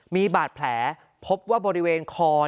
มีบาดแผลพบว่าบริเวณคอ